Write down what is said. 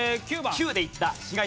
９でいった。